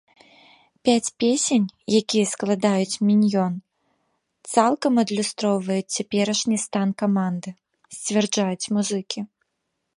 Пяць песень, якія складаюць міньён, цалкам адлюстроўваюць цяперашні стан каманды, сцвярджаюць музыкі.